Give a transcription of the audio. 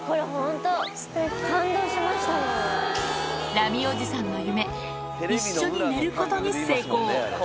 ラミおじさんの夢、一緒に寝ることに成功。